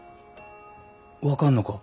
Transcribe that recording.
分かんのか？